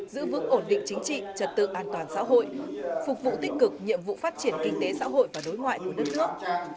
giữ vững ổn định chính trị trật tự an toàn xã hội phục vụ tích cực nhiệm vụ phát triển kinh tế xã hội và đối ngoại của đất nước